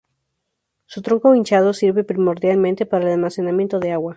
Su tronco hinchado sirve primordialmente para el almacenamiento de agua.